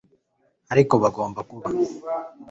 ariko bagomba kuba